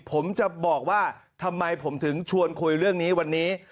ผมจะบอกว่าทำไมผมถึงชวนคุยเรื่องนี้วันนี้